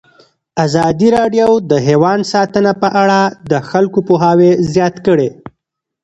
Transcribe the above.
ازادي راډیو د حیوان ساتنه په اړه د خلکو پوهاوی زیات کړی.